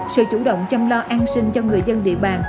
sự chủ động chăm lo an sinh cho người dân địa bàn